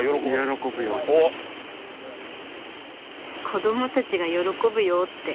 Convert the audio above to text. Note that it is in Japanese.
「子供たちが喜ぶよう」って。